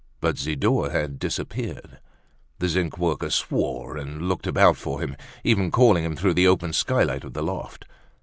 But Zidore had disappeared. The zinc worker swore, and looked about for him, even calling him through the open skylight of the loft.